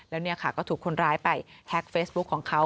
แล้วเนี่ยค่ะก็ถูกคนร้ายไปแฮ็กเฟซบุ๊คของเขา